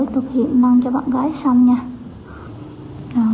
mình sẽ thực hiện năng cho bạn gái xăm nha